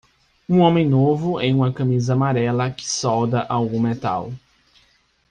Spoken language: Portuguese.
Um homem novo em uma camisa amarela que solda algum metal.